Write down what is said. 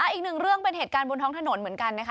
อีกหนึ่งเรื่องเป็นเหตุการณ์บนท้องถนนเหมือนกันนะคะ